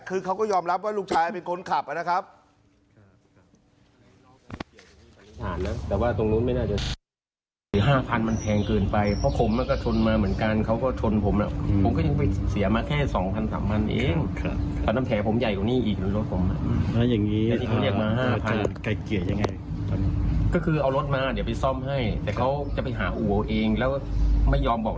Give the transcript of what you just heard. คือเขาก็ยอมรับว่าลูกชายเป็นคนขับนะครับ